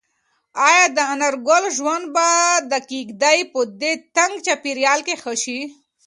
ایا د انارګل ژوند به د کيږدۍ په دې تنګ چاپېریال کې ښه شي؟